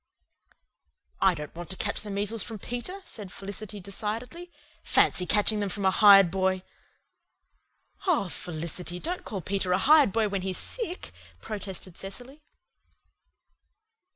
"I don't want to catch the measles from Peter," said Felicity decidedly. "Fancy catching them from a hired boy!" "Oh, Felicity, don't call Peter a hired boy when he's sick," protested Cecily.